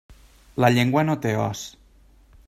La llengua no té os.